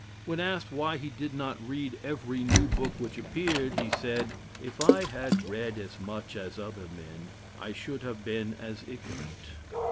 When asked why he did not read every new book which appeared, he said, "If I had read as much as other men, I should have been as ignorant."